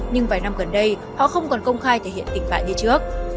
nhưng vài năm gần đây họ không còn công khai thể hiện tình bạn như trước